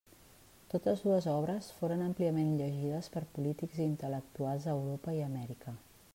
Totes dues obres foren àmpliament llegides per polítics i intel·lectuals a Europa i Amèrica.